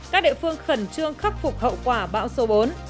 các địa phương khẩn trương khắc phục hậu quả bão số bốn